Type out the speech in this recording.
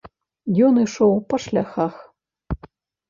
Ён ішоў па шляхах.